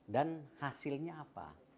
dan hasilnya apa